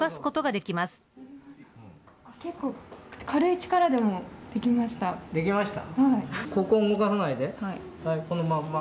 できました？